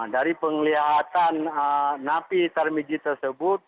dari penglihatan napi tarmiji tersebut